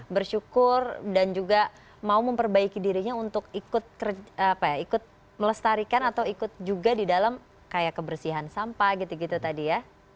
bersyukur dan juga mau memperbaiki dirinya untuk ikut melestarikan atau ikut juga di dalam kayak kebersihan sampah gitu gitu tadi ya